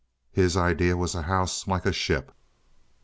His idea was a house like a ship.